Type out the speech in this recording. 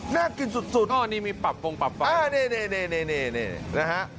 น่ากินสุดสุดก็อันนี้มีปรับปรงปรับไฟอ่านี่นี่นี่นี่นี่นี่นะฮะ